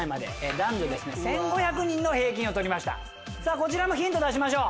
こちらもヒント出しましょう。